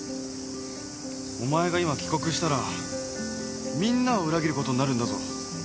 お前が今帰国したらみんなを裏切ることになるんだぞ。